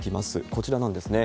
こちらなんですね。